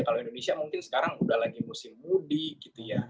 kalau indonesia mungkin sekarang udah lagi musim mudik gitu ya